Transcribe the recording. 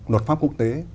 luật pháp quốc tế